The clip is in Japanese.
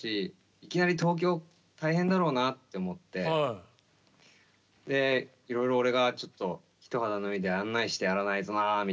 いきなり東京大変だろうなって思っていろいろ俺がちょっと一肌脱いで案内してやらないとなあみたいな感じで。